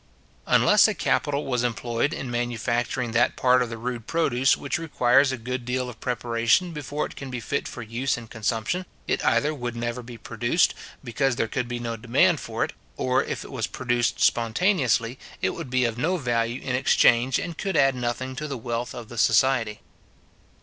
Unless a capital was employed in manufacturing that part of the rude produce which requires a good deal of preparation before it can be fit for use and consumption, it either would never be produced, because there could be no demand for it; or if it was produced spontaneously, it would be of no value in exchange, and could add nothing to the wealth of the society.